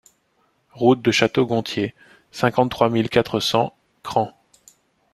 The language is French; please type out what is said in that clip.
Route de Château Gontier, cinquante-trois mille quatre cents Craon